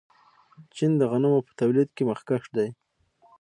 چین د غنمو په تولید کې مخکښ دی.